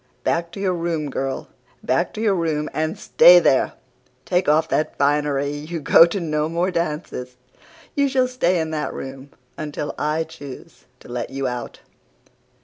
'Back to your room, girl! Back to your room and stay there! Take off that finery. You go to no more dances. You shall stay in that room until I choose to let you out.